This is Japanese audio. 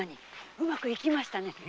うまくいきましたね。